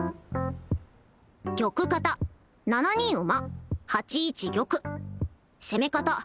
玉方７二馬８一玉攻め方